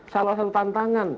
salah satu tantangan